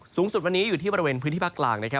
สูงสุดวันนี้อยู่ที่บริเวณพื้นที่ภาคกลาง